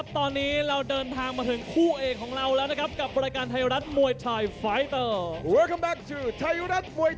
ตอนนี้เราเดินทางมาถึงคู่เอกของเราแล้วนะครับกับรายการไทยรัฐมวยไทยไฟเตอร์